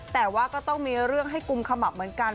แต่ว่าก็ต้องมีเรื่องให้กุมขมับเหมือนกัน